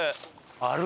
ある？